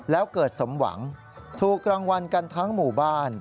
แล้วเกิดสมหวังถูกรางวัลกันทั้งหมู่บ้าน